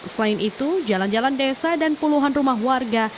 selain itu jalan jalan desa dan puluhan rumah warga